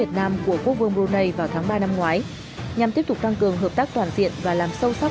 trong năm ngoái nhằm tiếp tục tăng cường hợp tác toàn diện và làm sâu sắc